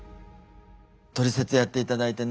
「トリセツ」やっていただいてね